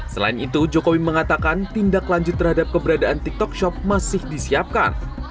selain itu jokowi mengatakan tindak lanjut terhadap keberadaan tiktok shop masih disiapkan